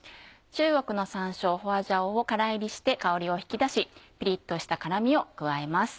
中国のサンショウ花椒をからいりして香りを引き出しピリっとした辛みを加えます。